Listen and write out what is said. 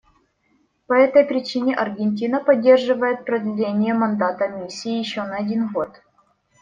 По этой причине Аргентина поддерживает продление мандата Миссии еще на один год.